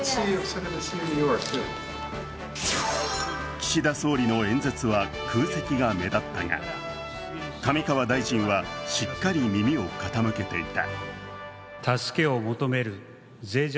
岸田総理の演説は空席が目立ったが上川大臣はしっかり耳を傾けていた。